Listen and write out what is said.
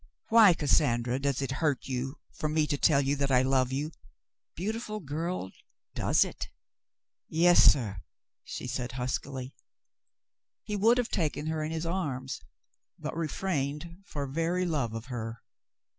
"Why, Cassandra, does it hurt you for me to tell you that I love you ? Beautiful girl, does it .?"* "Yes, suh," she said huskily. He would have taken her in his arms, but refrained for very love of her.